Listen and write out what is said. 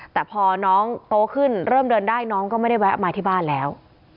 แต่พอน้องโตขึ้นเริ่มเดินได้น้องก็ไม่ได้แวะมาที่บ้านแล้ว